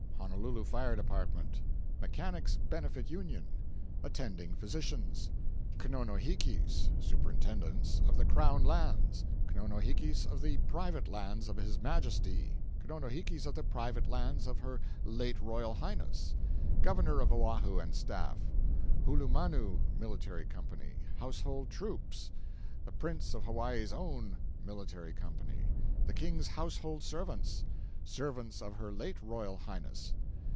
Honolulu Fire Department. Mechanics' Benefit Union. Attending Physicians. Knonohikis (Superintendents) of the Crown Lands, Konohikis of the Private Lands of His Majesty Konohikis of the Private Lands of Her late Royal Highness. Governor of Oahu and Staff. Hulumanu (Military Company). Household Troops. The Prince of Hawaii's Own (Military Company). The King's household servants. Servants of Her late Royal Highness.